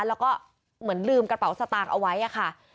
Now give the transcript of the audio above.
แล้วก็เหมือนลืมกระเป๋าสตางค์เอาไว้ค่ะ